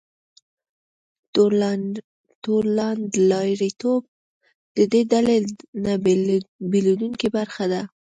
توندلاریتوب د دې ډلې نه بېلېدونکې برخه ده.